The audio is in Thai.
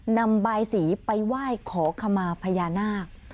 นำบายสีไปไหว้ขอขมาพญานาค